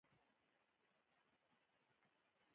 بزګان د افغانستان د انرژۍ سکتور برخه ده.